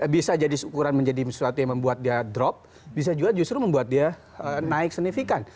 bisa jadi seukuran menjadi sesuatu yang membuat dia drop bisa juga justru membuat dia naik signifikan